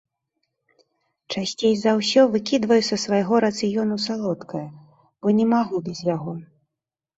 Часцей за ўсё выкідваю са свайго рацыёну салодкае, бо не магу без яго.